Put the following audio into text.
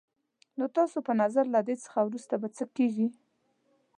نو ستا په نظر له دې څخه وروسته به څه کېږي؟